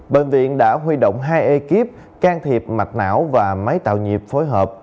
bệnh viện đã huy động hai ekip can thiệp mạch não và máy tạo nhịp phối hợp